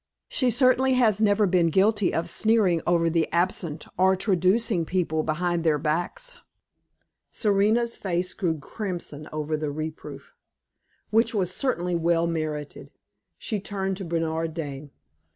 "She certainly has never been guilty of sneering over the absent or traducing people behind their backs!" Serena's face grew crimson over the reproof, which was certainly well merited. She turned to Bernard Dane.